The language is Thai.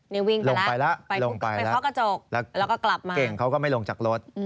นี่วิ่งลงไปแล้วไปลงไปเคาะกระจกแล้วก็กลับมาเก่งเขาก็ไม่ลงจากรถ